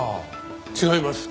違います。